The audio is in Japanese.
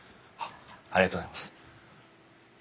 ありがとうございます。